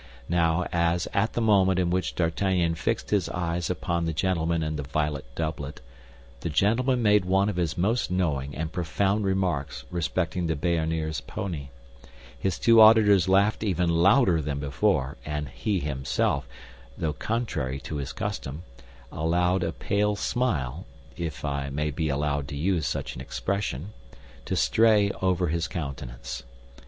Now, as at the moment in which D'Artagnan fixed his eyes upon the gentleman in the violet doublet, the gentleman made one of his most knowing and profound remarks respecting the Béarnese pony, his two auditors laughed even louder than before, and he himself, though contrary to his custom, allowed a pale smile (if I may be allowed to use such an expression) to stray over his countenance.